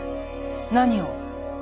何を？